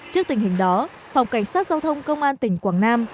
trước tình hình đó phòng cảnh sát giao thông công an tỉnh quảng nam